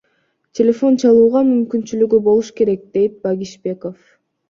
Телефон чалууга мүмкүнчүлүгү болуш керек, — дейт Багишбеков.